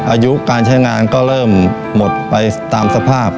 อายุการใช้งานก็เริ่มหมดไปตามสภาพ